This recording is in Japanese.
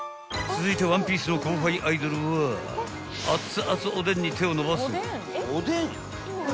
［続いてワンピースの後輩アイドルは熱々おでんに手を伸ばす］